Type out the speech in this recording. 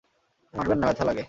মারবেন না, ব্যাথা লাগে।